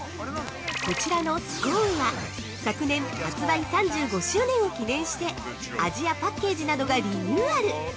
◆こちらの「スコーン」は、昨年、発売３５周年を記念して、味やパッケージなどがリニューアル！